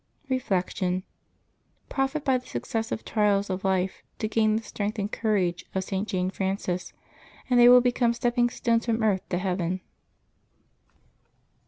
Reflection. — Profit by the successive trials of life to gain the strength and courage of St. Jane Frances, and they will become stepping stones from earth to heaven.